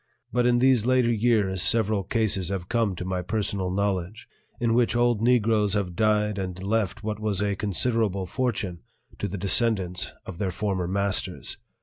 But in these later years several cases have come to my personal knowledge in which old Negroes have died and left what was a considerable fortune to the descendants of their former masters.